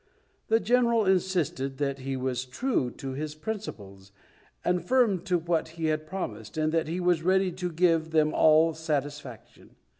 The general insisted that he was true to his principles, and firm to what he had promised, and that he was ready to give them all satisfaction.